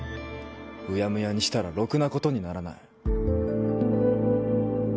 うやむやにしたらロクなことにならない